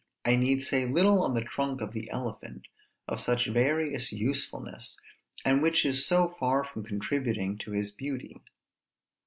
I need say little on the trunk of the elephant, of such various usefulness, and which is so far from contributing to his beauty.